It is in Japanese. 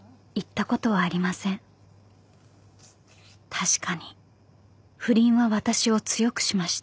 ［確かに不倫は私を強くしました］